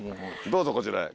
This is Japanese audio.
どうぞこちらへ。